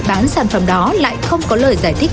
bán sản phẩm đó lại không có lời giải thích